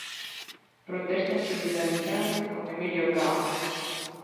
Protesta en solidariedade con Emilio Cao.